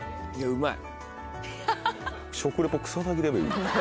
うまい。